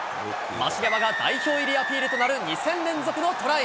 マシレワが代表入りアピールとなる２戦連続のトライ。